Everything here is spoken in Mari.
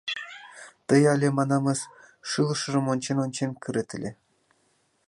Тый але, манамыс, шӱлышыжым ончен-ончен кырет ыле.